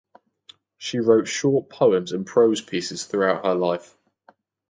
She wrote short poems and prose pieces throughout her life.